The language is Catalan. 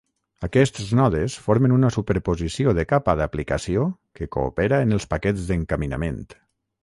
Aquests nodes formen una superposició de capa d'aplicació que coopera en els paquets d'encaminament.